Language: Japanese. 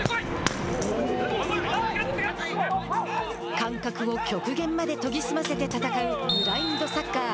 感覚を極限まで研ぎ澄ませて戦うブラインドサッカー。